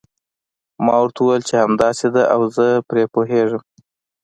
ما ورته وویل چې همداسې ده او زه هم پرې پوهیږم.